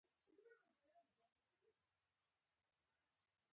هر څه سم ښکارېدل.